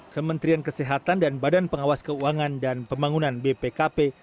kementerian kesehatan dan badan pengawas keuangan dan pembangunan bpkp